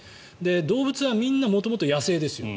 動物はみんな元々、野生ですよ。